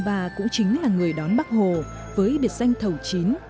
sư ba cũng chính là người đón bác hồ với biệt danh thầu chín